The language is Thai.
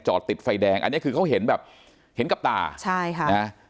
ติดไฟแดงอันนี้คือเขาเห็นแบบเห็นกับตาใช่ค่ะนะ